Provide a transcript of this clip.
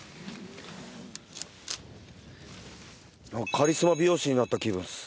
カリスマ美容師になった気分っす。